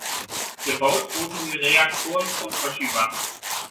Gebaut wurden die Reaktoren von Toshiba.